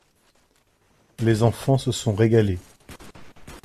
Les enfants se sont régalés.